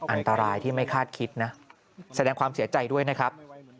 อันตรายที่ไม่คาดคิดนะแสดงความเสียใจด้วยนะครับ